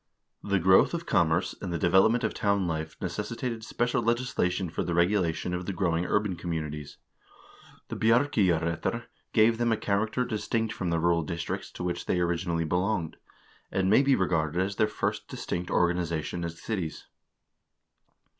The growth of commerce, and the development of town life necessitated special legislation for the regulation of the growing urban communities. The "Bjarkeyjarrettr" gave them a character distinct from the rural districts to which they originally belonged, and may be re garded as their first distinct organization as cities.